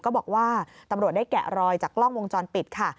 ก็บอกว่าตำรวจได้แกะรอยจากกล้องวงจรปิดค่ะ